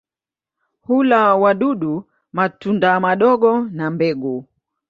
Hula wadudu, matunda madogo na mbegu.